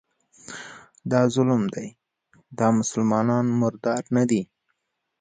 دا ظلم دی، دا مسلمانان مردار نه دي